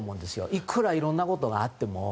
いくら色んなことがあっても。